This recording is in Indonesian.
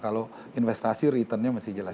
kalau investasi returnnya masih jelas